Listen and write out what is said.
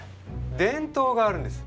伝統があるんです。